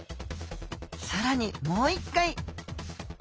さらにもう一回。